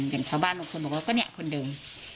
อย่างชาวบ้านบางคนบอกว่าก็เนี่ยคนเดิม